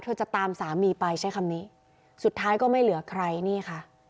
จะตามสามีไปใช้คำนี้สุดท้ายก็ไม่เหลือใครนี่ค่ะ